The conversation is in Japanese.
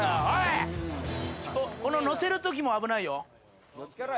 この載せるときも危ないよ。